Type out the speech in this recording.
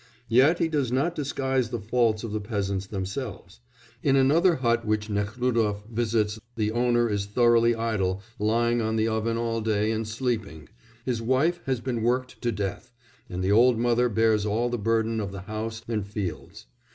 Yet he does not disguise the faults of the peasants themselves: in another hut which Nekhlúdof visits the owner is thoroughly idle, lying on the oven all day and sleeping; his wife has been worked to death, and the old mother bears all the burden of the house and fields.